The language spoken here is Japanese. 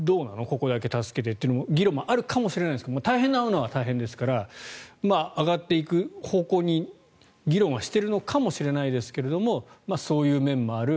ここだけ助けてというのは議論もあるかもしれないけど大変なものは大変ですから上がっていく方向に議論はしているのかもしれないですがそういう面もある。